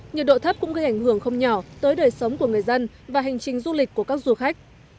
nhiệt độ thấp cũng gây ảnh hưởng không nhỏ tới đời sống của người dân và hành trình du lịch của các du khách